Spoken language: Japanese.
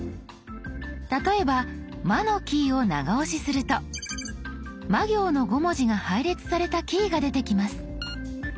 例えば「ま」のキーを長押しするとま行の５文字が配列されたキーが出てきます。